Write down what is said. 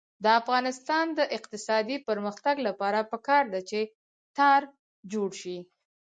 د افغانستان د اقتصادي پرمختګ لپاره پکار ده چې تار جوړ شي.